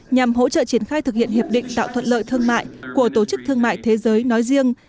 nhằm hỗ trợ triển khai thực hiện hiệp định tạo thuận lợi thương mại của tổ chức thương mại thế giới nói riêng